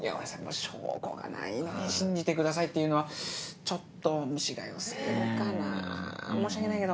証拠がないのに信じてくださいっていうのはちょっと虫が良過ぎるかな申し訳ないけど。